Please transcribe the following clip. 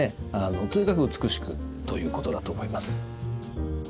とにかく美しくということだと思います。